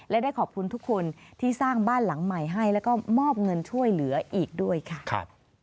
และได้ขอบคุณทุกคนที่สร้างบ้านหลังใหม่ให้แล้วก็มอบเงินช่วยเหลืออีกด้วยค่ะ